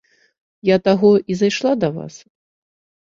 Я таго і зайшла да вас.